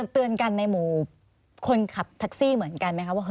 เตือนกันในหมู่คนขับแท็กซี่เหมือนกันไหมคะว่า